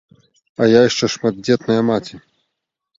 А я яшчэ шматдзетная маці.